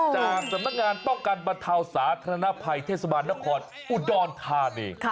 จากสำนักงานป้องกันบรรทาวสาทธนไพรเทศมาณคลอุดรธาน